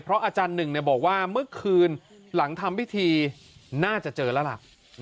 อาจารย์หนึ่งบอกว่าเมื่อคืนหลังทำพิธีน่าจะเจอแล้วล่ะ